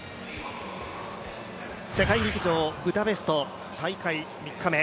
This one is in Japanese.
世界陸上ブダペスト、大会３日目。